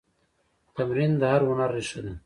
تمرین د هر هنر ریښه ده.